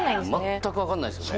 まったく分かんないですよね。